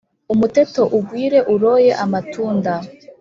umuteto ugwire uroye amatunda